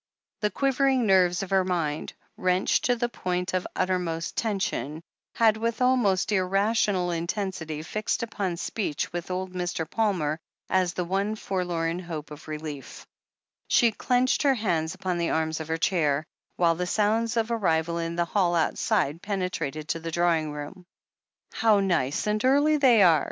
The quivering nerves of her mind, wrenched to the point of uttermost tension, had with almost irrational mtensity fixed upon speech with old Mr. Palmer as the one forlorn hope of relief. She clenched her hands upon the arms of her chair ii if THE HEEL OF ACHILLES 463 while the sounds of arrival in the hall outside pene trated to the drawing room. How nice and early they are!"